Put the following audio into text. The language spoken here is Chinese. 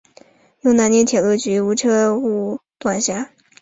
由南宁铁路局梧州车务段管辖。